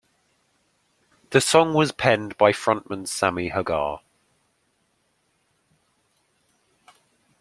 The song was penned by frontman Sammy Hagar.